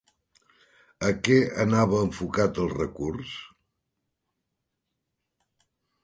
A què anava enfocat el recurs?